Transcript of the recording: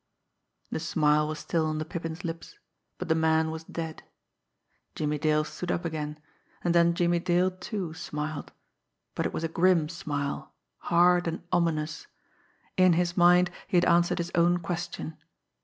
The smile was still on the Pippin's lips but the man was dead. Jimmie Dale stood up again, and then Jimmie Dale, too, smiled; but it was a grim smile, hard and ominous. In his mind he had answered his own question.